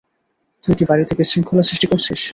তুই কি বাড়িতে বিশৃঙ্খলা সৃষ্টি করছিস?